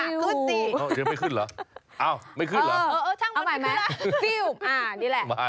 อ๋อยังไม่ขึ้นเหรออ้าวไม่ขึ้นเหรอเอาใหม่ไหมอ่านี่แหละ